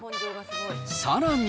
さらに。